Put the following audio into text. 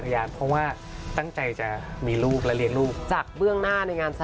คุณผู้ชมไม่เจนเลยค่ะถ้าลูกคุณออกมาได้มั้ยคะ